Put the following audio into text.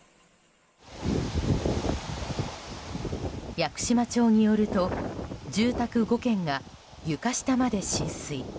屋久島町によると住宅５軒が床下まで浸水。